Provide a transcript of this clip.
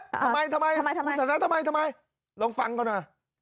ทำไมทำไมทำไมทำไมทำไมลองฟังก่อนน่ะ